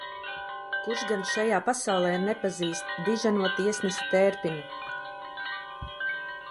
Kurš gan šajā pasaulē nepazīst diženo tiesnesi Tērpinu?